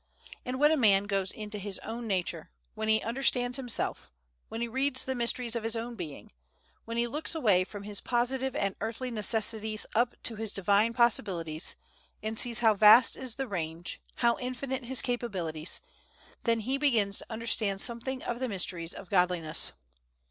And when a man goes into his own nature, when he understands himself, when he reads the mysteries of his own being, when he looks away from his positive and earthly necessities up to his Divine possibilities, and sees how vast is the range, how infinite his capabilities, then he begins to understand something of the mysteries of Godliness.